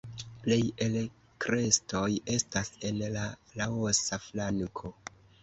Plej el la krestoj estas en la Laosa flanko.